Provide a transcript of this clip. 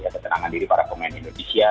ketenangan diri para pemain indonesia